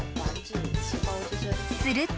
［すると］